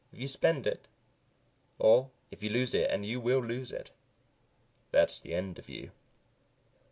If you spend it or if you lose it, and you will lose it that's the end of you."